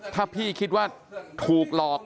ถ้าพี่คิดว่าถูกหลอก